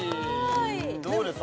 どうです？